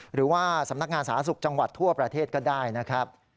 หรือว่าสำนักงานสาธารณสุขจังหวัดทั่วประเทศก็ได้นะครับ